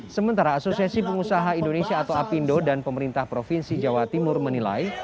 sementara asosiasi pengusaha indonesia atau apindo dan pemerintah provinsi jawa timur menilai